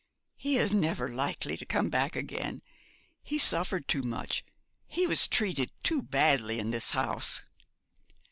'He is never likely to come back again. He suffered too much; he was treated too badly in this house.'